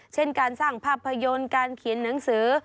เช่นการสร้างภาพยนตร์การเขียนหนังสือ